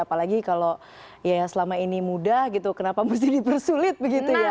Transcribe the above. apalagi kalau ya selama ini mudah gitu kenapa mesti dipersulit begitu ya